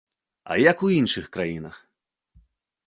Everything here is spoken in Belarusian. А як у іншых краінах?